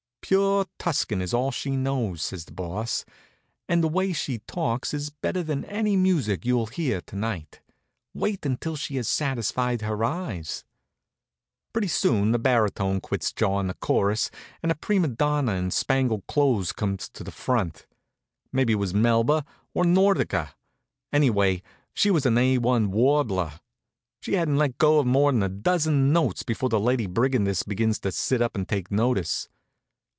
"Pure Tuscan is all she knows," says the Boss, "and the way she talks it is better than any music you'll hear to night. Wait until she has satisfied her eyes." Pretty soon the baritone quits jawin' the chorus and a prima donna in spangled clothes comes to the front. Maybe it was Melba, or Nordica. Anyway, she was an A 1 warbler. She hadn't let go of more'n a dozen notes before the Lady Brigandess begins to sit up and take notice.